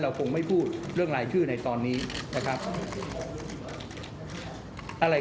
เราก็รูปรวมทั้งหมดแล้วมาทำแล้วก็ประสานงานกับหน่วยต่างประเทศ